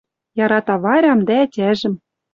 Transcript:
Ярата Варям дӓ ӓтяжӹм.